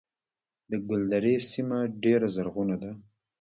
د ګلدرې سیمه ډیره زرغونه ده